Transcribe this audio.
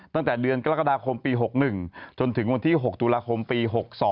ตั้งแต่เดือนกรกฎาคมปี๖๑จนถึงวันที่๖ตุลาคมปี๖๒